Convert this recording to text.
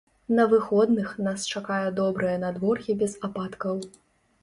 На выходных нас чакае добрае надвор'е без ападкаў.